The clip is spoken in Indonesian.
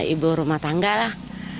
ibu rumah tangga lah